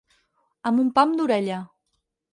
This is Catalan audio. Amb un pam d'orella.